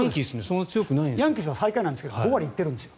ヤンキースは最下位なんですが５割行ってるんです。